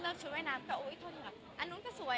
แล้วใส่ครบหมดที่เราเตรียมไว้